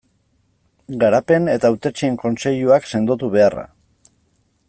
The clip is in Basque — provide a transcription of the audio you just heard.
Garapen eta Hautetsien kontseiluak sendotu beharra.